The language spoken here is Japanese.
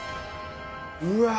うわ。